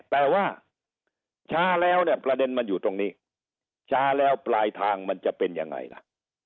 แต่ว่าช้าแล้วเนี่ยประเด็นมันอยู่ตรงนี้ช้าแล้วปลายทางมันจะเป็นยังไงล่ะ